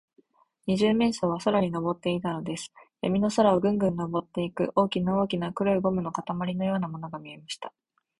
二十面相は空にのぼっていたのです。やみの空を、ぐんぐんとのぼっていく、大きな大きな黒いゴムまりのようなものが見えました。